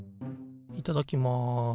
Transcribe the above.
いただきます。